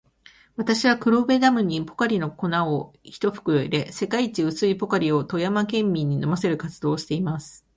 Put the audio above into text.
私は、黒部ダムにポカリの粉を一袋入れ、世界一薄いポカリを富山県民に飲ませる活動をしています。